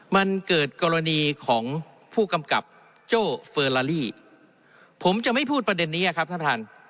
มันเกิดกรณีของผู้กำกับโจ้เฟอร์ลาลี่ผมจะไม่พูดประเด็นนี้ครับท่านท่าน